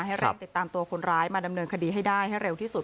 ให้เร่งติดตามตัวคนร้ายมาดำเนินคดีให้ได้ให้เร็วที่สุด